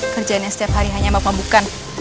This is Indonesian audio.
kerjaannya setiap hari hanya membabukan